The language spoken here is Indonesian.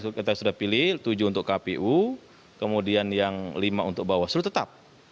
yang kita sudah pilih tujuh untuk kpu kemudian yang lima untuk bawah seluruh tetap